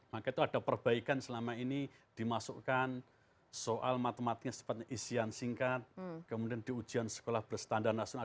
maka itu ada perbaikan selama ini dimasukkan soal matematika seperti isian singkat kemudian di ujian sekolah berstandar nasional